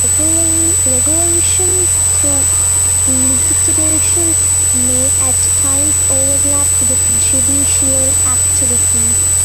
Regulation through litigation may at times overlap with judicial activism.